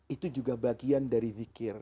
itu juga bagian dari zikir